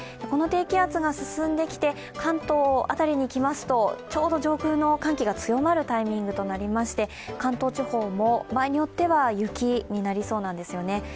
この低気圧が進んできて、関東辺りに来ますとちょうど上空の寒気が強まるタイミングとなりまして関東地方も場合によっては雪になりそうなんですよね。